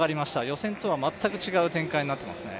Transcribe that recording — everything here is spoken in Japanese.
予選とは全く違う展開になってますね。